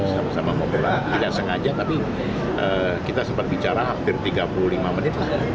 saya ketemu sama sama di bandara tidak sengaja tapi kita sempat berbicara hampir tiga puluh lima menit